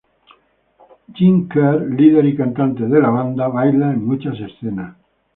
Jim Kerr, líder y cantante de la banda, baila en muchas escenas.